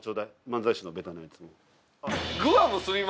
漫才師のベタなやつも。